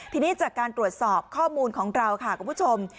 ทีนี้จากการตรวจสอบข้อมูลของเราค่ะคุณผู้ชม